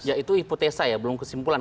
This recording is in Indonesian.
ya itu hipotesa ya belum kesimpulan